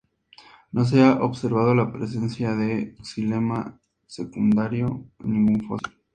No se ha observado la presencia de xilema secundario en ningún fósil.